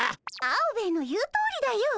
アオベエの言うとおりだよ。